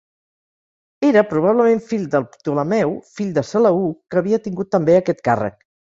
Era probablement fill del Ptolemeu fill de Seleuc que havia tingut també aquest càrrec.